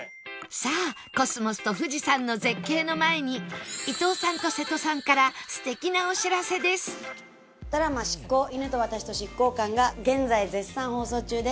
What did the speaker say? さあコスモスと富士山の絶景の前に伊藤さんと瀬戸さんからドラマ『シッコウ！！犬と私と執行官』が現在絶賛放送中です。